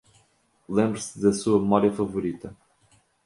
Lembre-se de sua memória favorita.